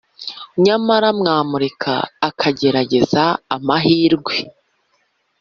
Nyamara mwamureka akagerageza amahirwe